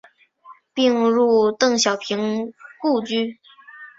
并入邓小平故居。